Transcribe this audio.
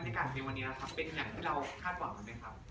สำหรับบรรยากาศในวันนี้เป็นอย่างที่เราคาดหวังไหมครับ